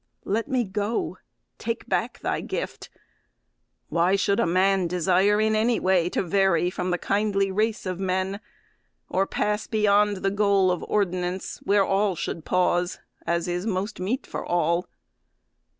Let me go: take back thy gift: Why should a man desire in any way To vary from the kindly race of men, Or pass beyond the goal of ordinance Where all should pause, as is most meet for all?